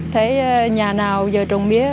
thấy nhà nào giờ trồng mía